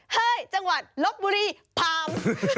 เฮ้ยจังหวัดลบบุรีพาม